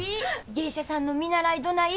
芸者さんの見習いどない？